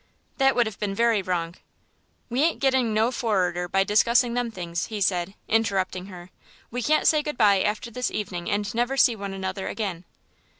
"That would have been very wrong." "We ain't getting no for'arder by discussing them things," he said, interrupting her. "We can't say good bye after this evening and never see one another again."